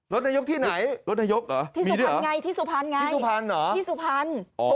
รถนายกที่ไหนที่สุพรรณไงที่สุพรรณ